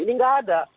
ini nggak ada